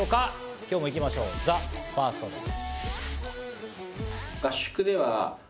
今日も行きましょう、ＴＨＥＦＩＲＳＴです。